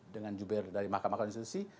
dengan jubir dari mahkamah konstitusi